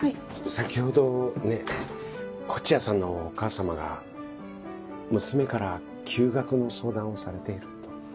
先ほどね東風谷さんのお母さまが「娘から休学の相談をされている」と。